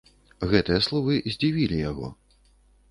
Гэтыя словы здзівілі яго.